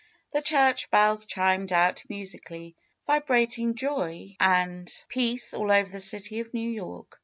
The cliurch bells chimed out musically, vibrating joy and S66 FAITH peace all over the city of New York.